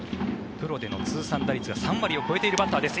プロでの通算打率が３割を超えているバッターです。